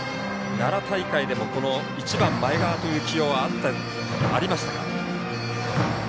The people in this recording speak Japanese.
７大会でも１番、前川という起用はありましたが。